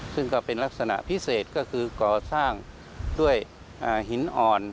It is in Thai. ซึ่งก็เป็นลักษณะพิเศษก็คือก่อสร้างด้วยหินอ่อน